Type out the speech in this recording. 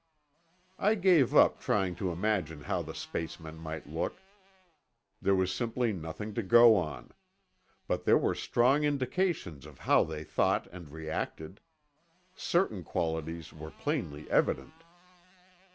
I gave up trying to imagine how the spacemen might look. There was simply nothing to go on. But there were strong indications of how they thought and reacted. Certain qualities were plainly evident.